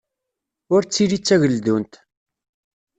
Ur ttili d tegeldunt.